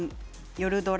夜ドラ